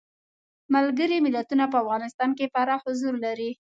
ملګري ملتونه په افغانستان کې پراخ حضور لري.